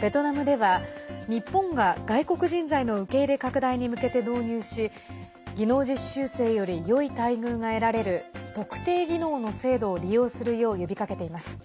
ベトナムでは日本が外国人材の受け入れ拡大に向けて導入し技能実習生よりよい待遇が得られる特定技能の制度を利用するよう呼びかけています。